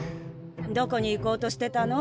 どこに行こうとしてたの？